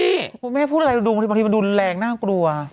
คุณแม่พูดอะไรดูบางทีมันดูแรงน่ากลัว